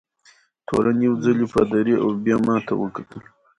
تورن یو ځلي پادري او بیا ما ته وکتل.